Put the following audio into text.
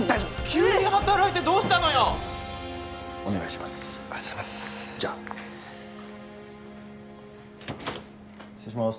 急に働いてどうしたのよお願いしますじゃあありがとうございます失礼します